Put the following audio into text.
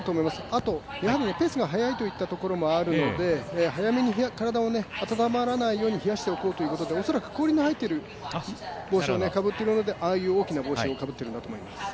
あとペースが速いといったところもあるので早めに体を暖まらないように冷やしておこうということで恐らく、氷の入っている帽子をかぶっているので大きな帽子をかぶっているんだと思います。